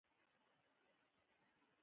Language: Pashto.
باز تل ګټونکی وي